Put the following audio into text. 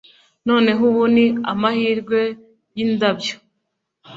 Noneho ubu ni amahirwe yindabyo